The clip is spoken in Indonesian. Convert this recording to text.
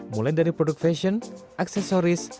mulai dari produk fashion aksesoris